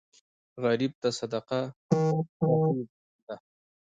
غریب ته صدقه خوښي ده